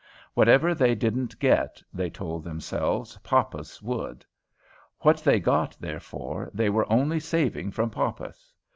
Whatever they didn't get, they told themselves, Poppas would. What they got, therefore, they were only saving from Poppas.